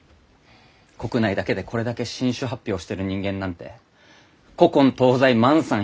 国内だけでこれだけ新種発表してる人間なんて古今東西万さん